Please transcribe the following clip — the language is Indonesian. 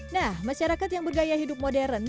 nah masyarakat yang bergaya hidup modern